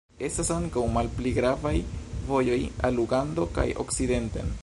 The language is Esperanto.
Estas ankaŭ malpli gravaj vojoj al Ugando kaj okcidenten.